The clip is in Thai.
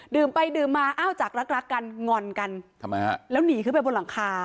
ไปดื่มมาอ้าวจากรักรักกันงอนกันทำไมฮะแล้วหนีขึ้นไปบนหลังคา